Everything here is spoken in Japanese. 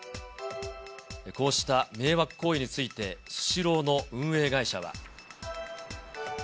こうした迷惑行為について、スシローの運営会社は。